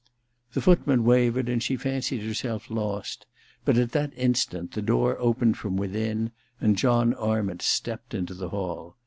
The footman wavered and she fancied herself lost ; but at that instant the door opened from within and John Arment stepped into the hall.